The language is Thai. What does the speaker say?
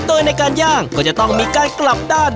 โดยในการย่างก็จะต้องมีการกลับด้าน